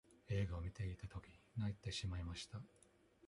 映画を見ていたとき、泣いてしまいました。